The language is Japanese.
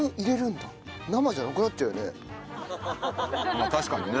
まあ確かにね。